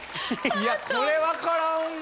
いやこれわからんな。